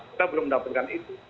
kita belum mendapatkan itu